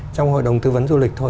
trong hội đồng tư vấn du lịch thôi